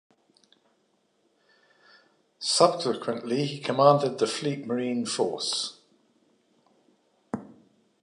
Subsequently, he commanded the Fleet Marine Force.